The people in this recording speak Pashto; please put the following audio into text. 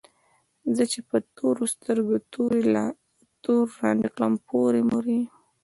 زه چې په تورو سترګو تور رانجه کړم پورې مورې